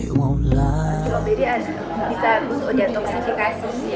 spa stroberi bisa untuk ojantoksifikasi